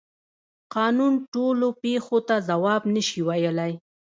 قانون ټولو پیښو ته ځواب نشي ویلی.